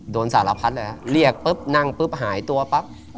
โดนสารพัดเลยครับเรียกปุ๊บนั่งปุ๊บหายตัวปั๊บ